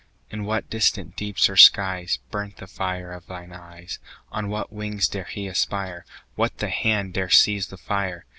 In what distant deeps or skies 5 Burnt the fire of thine eyes? On what wings dare he aspire? What the hand dare seize the fire?